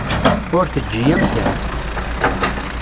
Ur teǧǧi amkan.